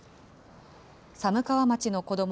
寒川町の子ども